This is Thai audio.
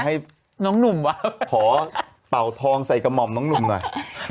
ให้น้องหนุ่มวะขอเป่าทองใส่กระหม่อมน้องหนุ่มหน่อย